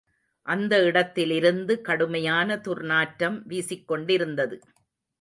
அந்த இடத்திலிருந்து கடுமையான துர்நாற்றம் வீசிக்கொண்டிருந்தது.